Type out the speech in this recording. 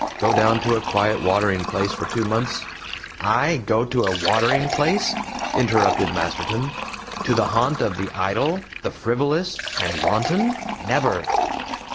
Go down to a quiet watering place for two months." ... "I go to a watering place?" interrupted Masterton; "to the haunt of the idle, the frivolous and wanton never!"